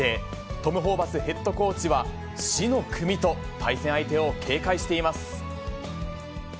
トム・ホーバスヘッドコーチは、死の組と対戦相手を警戒しています。